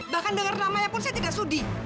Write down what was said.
bahkan dengar namanya pun saya tidak sudi